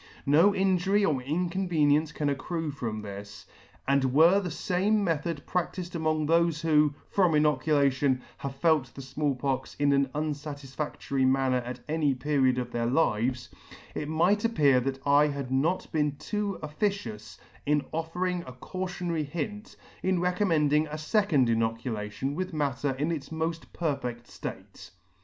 No injury or inconvenience can accrue from this; and were the fame method pradifed among thofe who, from inoculation, have felt the Small Pox in an unfatisfadory manner at any period of their lives, it might appear that I had not been too officious in offering a cautionary hint, in recommending a fecond inocula tion with matter in its moil: perfect ftate.